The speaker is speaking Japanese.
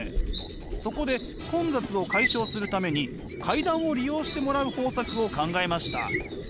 そこで混雑を解消するために階段を利用してもらう方策を考えました。